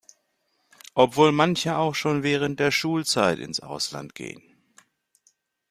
Obwohl manche auch schon während der Schulzeit ins Ausland gehen.